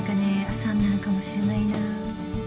朝になるかもしれないな。